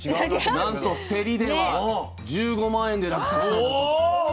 なんと競りでは１５万円で落札されたそうです。